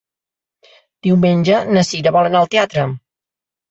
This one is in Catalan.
Diumenge na Sira vol anar al teatre.